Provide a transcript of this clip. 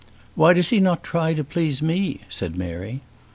"Why does he not try to please me?" said Mary.